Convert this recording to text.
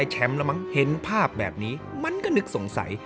เห็นภาพแบบนี้มันก็นึกสงสัย